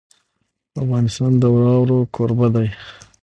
افغانستان د واوره کوربه دی.